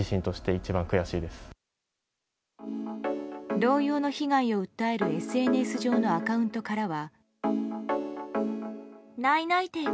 同様の被害を訴えるＳＮＳ上のアカウントからは。